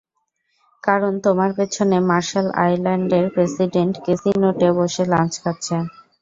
কারণ তোমার পেছনে মার্শাল আইল্যান্ডসের প্রেসিডেন্ট কেসি নোটে বসে লাঞ্চ খাচ্ছেন।